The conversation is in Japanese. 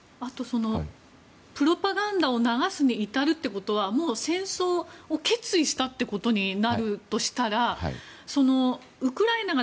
プロパガンダを流すに至るということは戦争を決意したということになるとしたらウクライナが